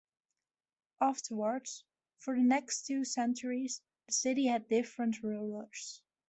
Afterwards, for the next two centuries the city had different rulers.